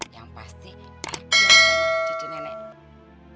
yang pasti adil cucu nenek